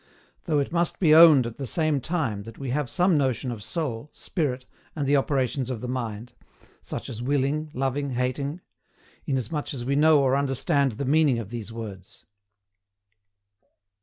Though it must be owned at the same time that we have some notion of soul, spirit, and the operations of the mind: such as willing, loving, hating inasmuch as we know or understand the meaning of these words.